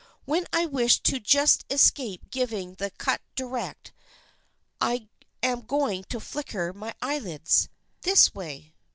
When I wish to just escape giving the cut direct I am going to flicker my eye lids. This way."